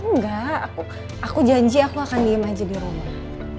enggak aku janji aku akan diem aja di rumah